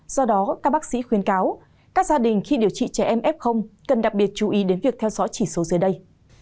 do đó các bác sĩ khuyên cáo các gia đình khi điều trị trẻ em f cần đặc biệt chú ý đến việc theo dõi chỉ số dưới đây